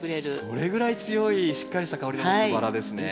それぐらい強いしっかりした香りを持つバラですね。